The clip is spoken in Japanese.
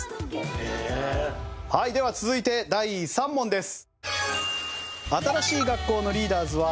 はいでは続いて第３問です。